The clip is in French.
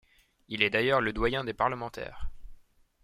Il est d'ailleurs le doyen des parlementaires.